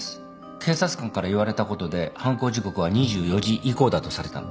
警察官から言われたことで犯行時刻は２４時以降だとされた。